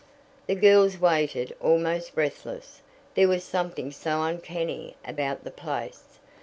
The girls waited almost breathless there was something so uncanny about the place.